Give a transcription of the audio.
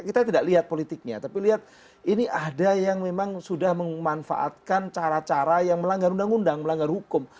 kita tidak lihat politiknya tapi lihat ini ada yang memang sudah memanfaatkan cara cara yang melanggar undang undang melanggar hukum